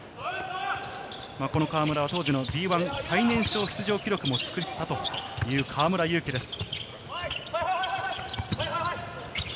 この河村は当時のＢ１最年少出場記録も作ったという河村勇輝です。